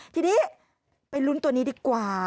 ทีนี้ไปลุ้นตัวนี้ดีกว่า